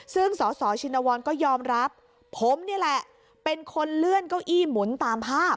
ซึ่งสสชินวรก็ยอมรับผมนี่แหละเป็นคนเลื่อนเก้าอี้หมุนตามภาพ